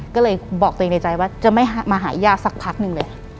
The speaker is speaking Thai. ก็เลยบอกตัวเองในใจว่าจะไม่มาหาย่าสักพักหนึ่งเลย